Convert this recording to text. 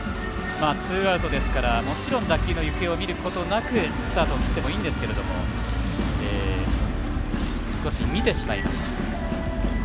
ツーアウトですからもちろん、打球の行方を見ることなくスタートを切ってもいいんですけど少し見てしまいました。